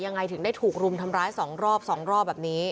ยังไงถึงได้ถูกรุมทำร้าย๒รอบ๒รอบแบบนี้